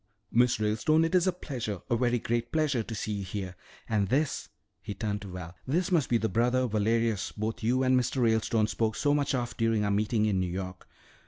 "Miss Ralestone, it is a pleasure, a very great pleasure, to see you here! And this," he turned to Val, "this must be that brother Valerius both you and Mr. Ralestone spoke so much of during our meeting in New York.